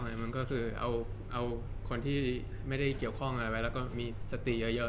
มันก็คือเอาคนที่ไม่ได้เกี่ยวข้องอะไรไว้แล้วก็มีสติเยอะ